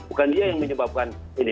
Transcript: bukan dia yang menyebabkan ini